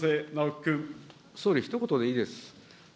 総理、ひと言でいいです。